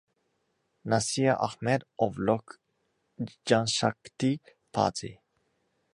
Nasir Ahmad of Lok Janshakti Party.